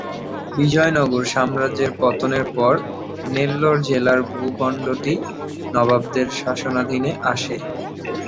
বিজয়নগর সাম্রাজ্যের পতনের পর নেল্লোর জেলার ভূখণ্ডটি নবাবদের শাসনাধীনে আসে।